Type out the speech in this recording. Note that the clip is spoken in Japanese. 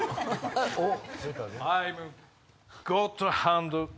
おっ。